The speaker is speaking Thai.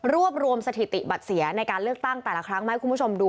รวบรวมสถิติบัตรเสียในการเลือกตั้งแต่ละครั้งมาให้คุณผู้ชมดู